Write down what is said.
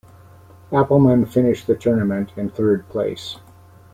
Appleman finished the tournament in third place.